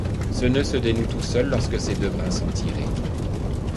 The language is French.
Ce nœud se dénoue tout seul lorsque ses deux brins sont tirés.